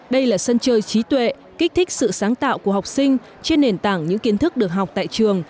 đây là sân chơi trí tuệ kích thích sự sáng tạo của học sinh trên nền tảng những kiến thức được học tại trường